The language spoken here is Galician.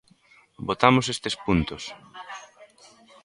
Votamos estes puntos.